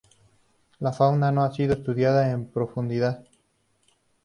La fauna no ha sido estudiada en profundidad.